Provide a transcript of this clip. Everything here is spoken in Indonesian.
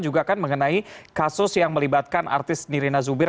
juga akan mengenai kasus yang melibatkan artis nerina zubir